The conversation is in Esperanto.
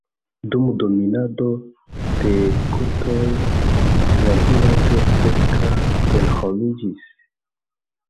Dum dominado de turkoj la vilaĝo preskaŭ senhomiĝis.